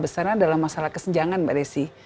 besarnya adalah masalah kesenjangan mbak desi